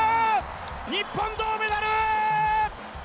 日本、銅メダル！